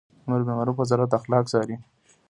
د امربالمعروف وزارت اخلاق څاري